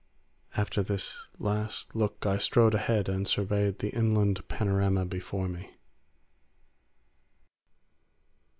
... After this last look I strode ahead and surveyed the inland panorama before me.